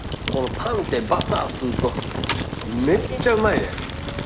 パンってバター吸うとめっちゃうまいね。